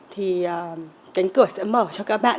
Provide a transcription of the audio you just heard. thì cánh cửa sẽ mở cho các bạn